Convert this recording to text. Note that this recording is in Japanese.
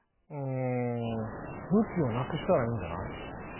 うん武器をなくしたらいいんじゃない？